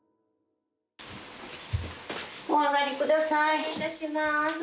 失礼いたします。